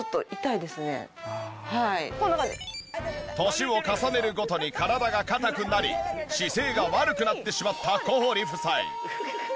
年を重ねるごとに体が硬くなり姿勢が悪くなってしまった小堀夫妻。